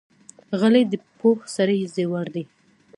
غلی، د پوه سړي زیور دی.